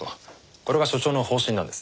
これが所長の方針なんです。